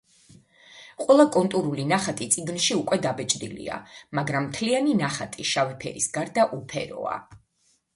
ყველა კონტურული ნახატი წიგნში უკვე დაბეჭდილია, მაგრამ მთლიანი ნახატი, შავი ფერის გარდა, უფეროა.